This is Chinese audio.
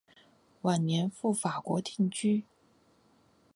晚年赴法国定居。